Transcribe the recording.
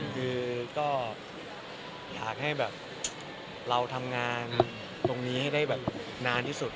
คือก็อยากให้แบบเราทำงานตรงนี้ให้ได้แบบนานที่สุด